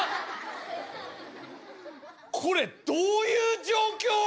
これどういう状況？